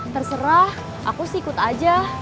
terserah aku sikut aja